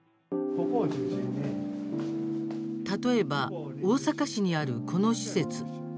例えば大阪市にある、この施設。